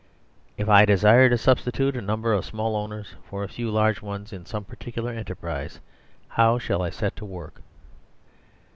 If I desire to substitute a number of small owners for a few large ones in some particular enterprise, how shall I set to work